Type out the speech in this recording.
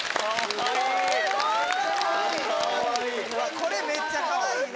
これめっちゃかわいいな。